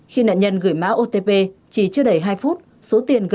khi nạn nhân gửi mã otp chỉ chưa đầy hai phút